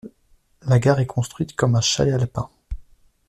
La gare est construite comme un chalet alpin.